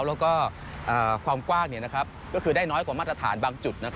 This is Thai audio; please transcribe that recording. แล้วก็ความกว้างเนี่ยนะครับก็คือได้น้อยกว่ามาตรฐานบางจุดนะครับ